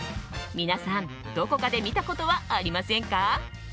皆さん、どこかで見たことはありませんか？